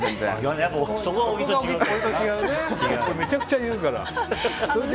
俺、めちゃくちゃ言うから。